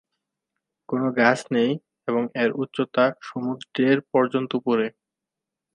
কোনো গাছ নেই এবং এর উচ্চতা সমুদ্রের পর্যন্ত উপরে।